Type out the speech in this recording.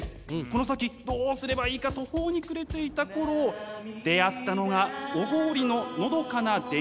この先どうすればいいか途方に暮れていた頃出会ったのが小郡ののどかな田園風景でした。